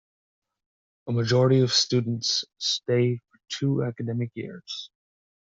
A majority of students stay for two academic years.